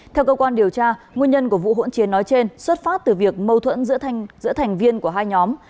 theo cơ quan điều tra nguyên nhân của vụ hỗn chiến nói trên xuất phát từ việc mâu thuẫn giữa thành viên của hai nhóm